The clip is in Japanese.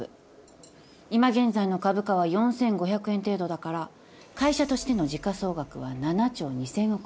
今現在の株価は４，５００円程度だから会社としての時価総額は７兆２，０００億円。